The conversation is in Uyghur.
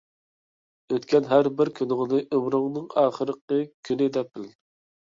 ئۆتكەن ھەر بىر كۈنۈڭنى ئۆمرۈمنىڭ ئاخىرقى كۈنى دەپ بىل.